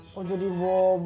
kok jadi bobby